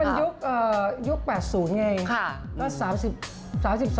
มันยุค๗๒๐ไง